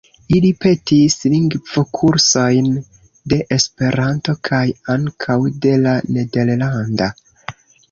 Ili petis lingvokursojn de Esperanto kaj ankaŭ de la nederlanda.